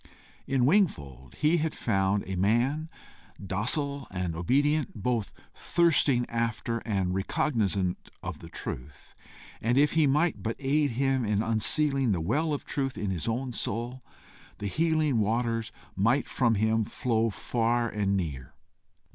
In Wingfold he had found a man docile and obedient, both thirsting after, and recognizant of the truth, and if he might but aid him in unsealing the well of truth in his own soul, the healing waters might from him flow far and near.